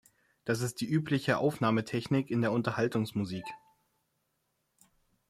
Das ist die übliche Aufnahmetechnik in der Unterhaltungsmusik.